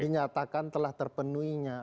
dinyatakan telah terpenuhinya